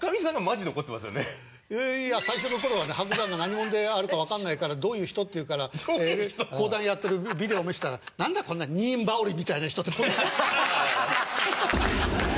最初の頃はね伯山が何者であるかわかんないから「どういう人？」って言うから講談やってるビデオ見せたらなんだこんな二人羽織みたいな人って。